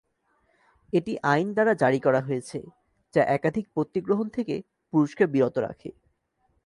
এটি আইন দ্বার জারি করা হয়েছে যা একাধিক পত্নী গ্রহণ থেকে পুরুষকে বিরত রাখে।